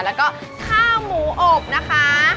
แล้วก็ข้าวหมูอบนะคะ